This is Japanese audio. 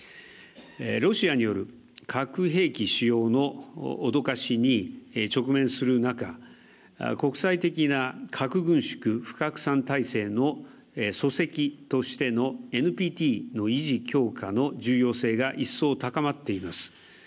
ロシアによる核兵器使用の脅かしに直面する中、国際的な核軍縮、不拡散礎石としてのＮＰＴの維持・強化の重要性が一層高まっています。